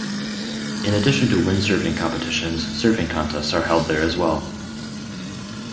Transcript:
In addition to windsurfing competitions surfing contests are held there as well.